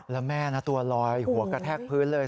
และแม่ตัวรอยหวกระแทกพื้นเลย